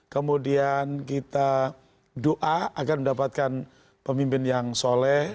kemudian kita doa agar mendapatkan pemimpin yang soleh